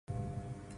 No audio